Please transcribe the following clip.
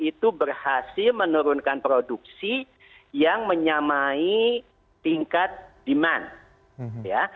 itu berhasil menurunkan produksi yang menyamai tingkat demand ya